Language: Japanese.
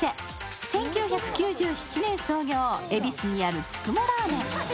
１９９７年創業、恵比寿にある九十九ラーメン。